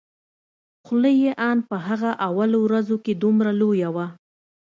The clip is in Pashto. خوله يې ان په هغه اولو ورځو کښې دومره لويه وه.